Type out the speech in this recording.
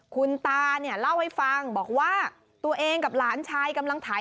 คุณตาเนี่ยเล่าให้ฟังบอกว่าตัวเองกับหลานชายกำลังถ่าย